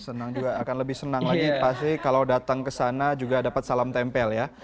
senang juga akan lebih senang lagi pasti kalau datang ke sana juga dapat salam tempel ya